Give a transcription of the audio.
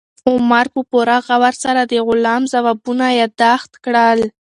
عمر په پوره غور سره د غلام ځوابونه یاداښت کړل.